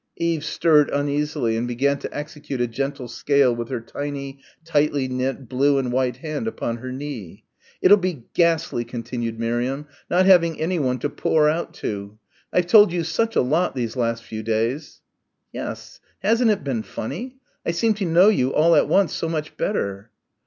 Eve stirred uneasily and began to execute a gentle scale with her tiny tightly knit blue and white hand upon her knee. "It'll be ghastly," continued Miriam, "not having anyone to pour out to I've told you such a lot these last few days." "Yes, hasn't it been funny? I seem to know you all at once so much better."